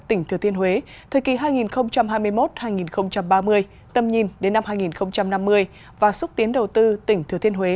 tỉnh thừa thiên huế thời kỳ hai nghìn hai mươi một hai nghìn ba mươi tầm nhìn đến năm hai nghìn năm mươi và xúc tiến đầu tư tỉnh thừa thiên huế